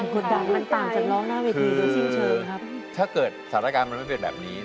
กดดันค่ะมันใจคือถ้าเกิดสารการณ์มันไม่เป็นแบบนี้